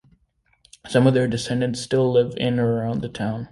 Some of their descendants still live in or around the town.